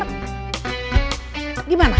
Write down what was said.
kita pastikan cerita siapa yang bener